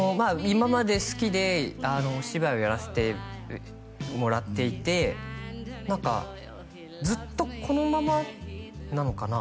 今まで好きでお芝居をやらせてもらっていて「何かずっとこのままなのかな？」